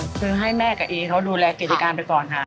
คือให้แม่กับเอเขาดูแลกิจการไปก่อนค่ะ